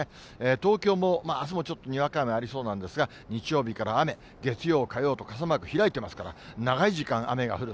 東京も、あすもちょっとにわか雨ありそうなんですが、日曜日から雨、月曜、火曜と傘マーク、開いていますから、長い時間雨が降る。